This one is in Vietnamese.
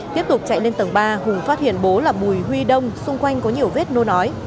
tiếp tục chạy lên tầng ba hùng phát hiện bố là bùi huy đông xung quanh có nhiều vết nô nói